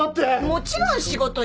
もちろん仕事よ。